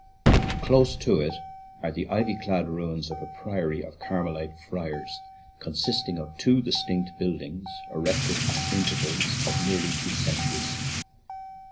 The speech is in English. Close to it are the ivy clad ruins of a priory of Carmelite friars, consisting of two distinct build ings erected at an interval of nearly two centuries.